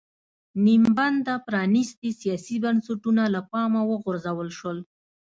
نیم بنده پرانېستي سیاسي بنسټونه له پامه وغورځول شول.